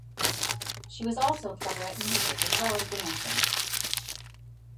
She was also clever at music as well as dancing.